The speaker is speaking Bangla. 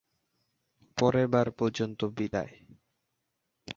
পরের বার পর্যন্ত বিদায়।